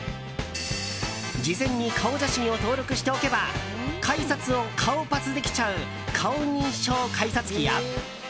事前に顔写真を登録しておけば改札を顔パスできちゃう顔認証改札機や。